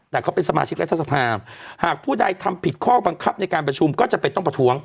แต่เขาเป็นสมาชิกรัฐสภาหากผู้ใดทำผิดข้อบังคับในการประชุมก็จำเป็นต้องประท้วง